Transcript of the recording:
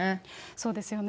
そうですよね。